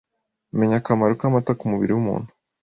Menya akamaro k’amata k’umubiri w’umuntu